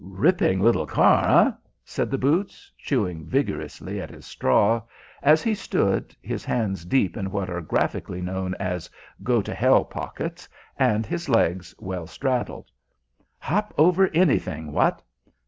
"Ripping little car, eh?" said the boots, chewing vigorously at his straw as he stood, his hands deep in what are graphically known as "go to hell" pockets and his legs well straddled. "Hop over anything, what?